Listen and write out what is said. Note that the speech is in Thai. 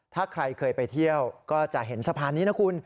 ถ้าใครเคยไปเที่ยวก็จะเห็นสะพานนี้นะคุณ